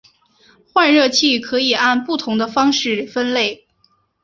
换热器可以按不同的方式分类。